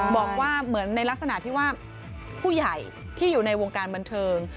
บอกว่าเหมือนในลักษณะที่ว่าผู้ใหญ่ที่อยู่ในวงการบันเทิง